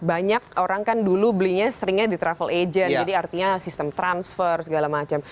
banyak orang kan dulu belinya seringnya di travel agent jadi artinya sistem transfer segala macam